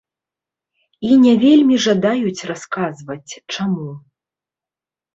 І не вельмі жадаюць расказваць, чаму.